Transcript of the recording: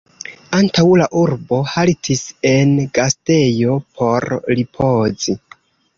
Antaŭ la urbo haltis en gastejo por ripozi.